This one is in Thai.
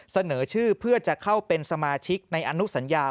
เสนอชื่อเพื่อจะเข้าเป็นสมาชิกในอนุสัญญา